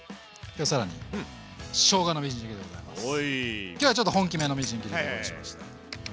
今日はちょっと本気めのみじん切りにしました。